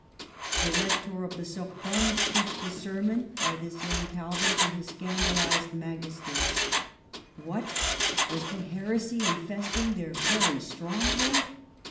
The Rector of the Sorbonne preached a sermon by this young Calvin to his scandalized magis ters. What ! was the heresy infesting their very stronghold?